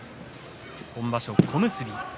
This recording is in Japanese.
今場所は小結。